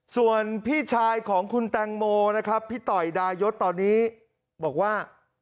ส่วนพี่ชายของคุณแตงโมนะครับพี่ต่อยดายศตอนนี้บอกว่า